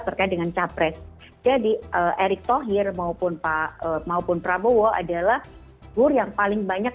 terkait dengan capres jadi erick thohir maupun pak maupun prabowo adalah guru yang paling banyak